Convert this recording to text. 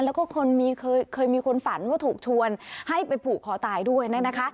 แล้วก็คนเคยมีคนฝันว่าถูกชวนให้ไปผูกคอตายด้วยนะคะ